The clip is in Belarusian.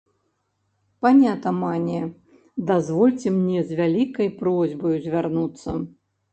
Пане атамане, дазвольце мне з вялікай просьбаю звярнуцца!